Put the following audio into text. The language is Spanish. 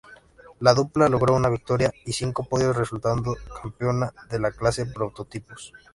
La dupla logró una victoria y cinco podios, resultando campeona de la clase Prototipos.